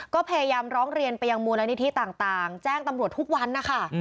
ก็พยายามร้องเรียนไปยังมูลนิธิต่างแจ้งตำรวจทุกวันนะคะ